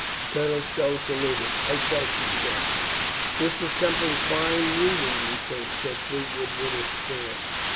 Colonel Stow saluted. "I thank you, sir." "This is something fine weaving, methinks," said Fleetwood with a sneer.